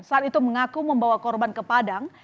saat itu mengaku membawa korban ke padang